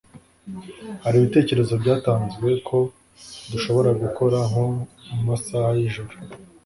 Hari ibitekerezo byatanzwe ko dushobora gukora nko mu masaha y’ijoro